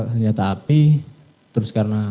senjata api terus karena